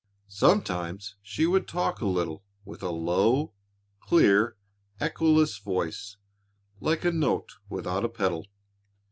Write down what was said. Sometimes she would talk a little with a low, clear, echoless voice like a note without a pedal.